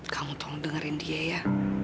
kamu tolong dengerin dia ya